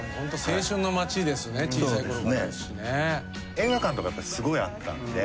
映画館とかすごいあったんで。